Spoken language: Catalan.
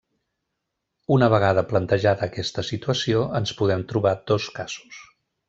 Una vegada plantejada aquesta situació ens podem trobar dos casos.